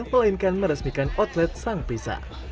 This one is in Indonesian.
melainkan meresmikan outlet sang pisa